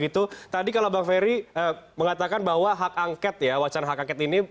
tadi kalau bang ferry mengatakan bahwa wacana hak angket ini